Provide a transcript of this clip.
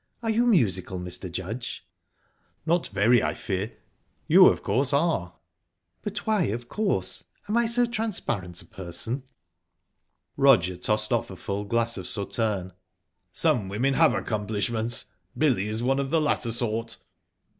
Are you musical, Mr. Judge?" "Not very, I fear. You, of course, are?" "But why 'of course'? Am I so transparent a person?" Roger tossed off a full glass of Sauterne. "Some women have accomplishments. Billy is one of the latter sort."